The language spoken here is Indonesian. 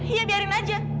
iya biarin aja